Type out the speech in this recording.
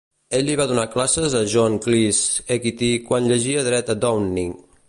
Ell li va donar classes a John Cleese Equity quan llegia dret a Downing.